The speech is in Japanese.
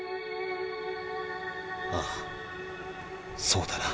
ああそうだな。